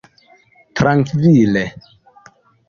trankvile